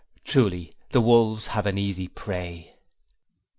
Truly the wolves have an easy prey.